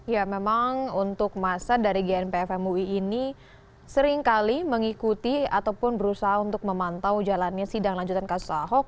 ya memang untuk masa dari gnpf mui ini seringkali mengikuti ataupun berusaha untuk memantau jalannya sidang lanjutan kasus ahok